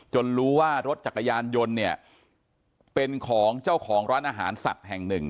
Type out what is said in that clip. รู้ว่ารถจักรยานยนต์เนี่ยเป็นของเจ้าของร้านอาหารสัตว์แห่งหนึ่ง